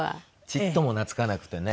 ちっとも懐かなくてね。